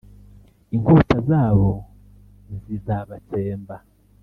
inkota zabo nzizabatsemba